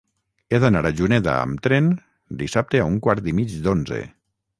He d'anar a Juneda amb tren dissabte a un quart i mig d'onze.